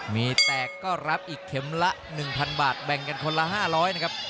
มีแตกก็รับอีกเข็มละ๑๐๐บาทแบ่งกันคนละ๕๐๐นะครับ